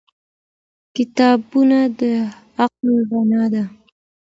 کتابونه د عقل رڼا ده.